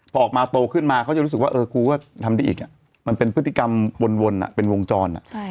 พอออกมาโตขึ้นมาเขาจะรู้สึกว่าครูก็ทำได้อีกมันเป็นพฤติกรรมวนเป็นวงจร